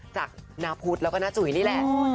จากนาพุทธแล้วก็น้าจุ๋ยนี่แหละ